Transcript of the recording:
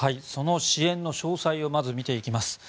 その支援の詳細をまず見ていきます。